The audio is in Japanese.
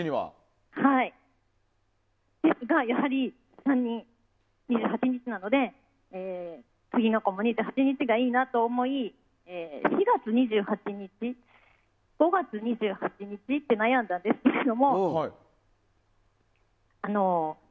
ですが、やはり３人が２８日なので次の子も２８日がいいなと思い４月２８日、５月２８日って悩んだんですけども。